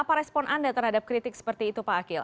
apa respon anda terhadap kritik seperti itu pak akhil